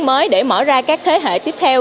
mới để mở ra các thế hệ tiếp theo